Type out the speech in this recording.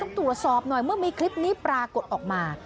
ตรวจสอบหน่อยเมื่อมีคลิปนี้ปรากฏออกมา